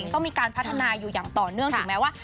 ต้องมีการพัฒนาอยู่อย่างต่อเนื่องถึงแม้ว่า